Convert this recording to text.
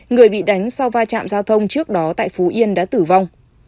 người bị đánh sau va chạm giao thông trước đó tại phú yên đã tử vong